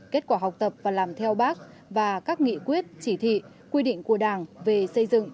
kết quả học tập và làm theo bác và các nghị quyết chỉ thị quy định của đảng về xây dựng